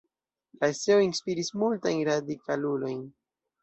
La eseo inspiris multajn radikalulojn.